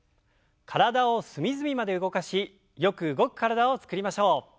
体を隅々まで動かしよく動く体を作りましょう。